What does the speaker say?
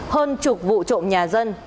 hơn chục vụ trộm nhà dân